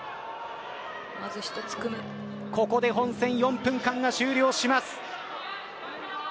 ここで本戦４分間が終了します。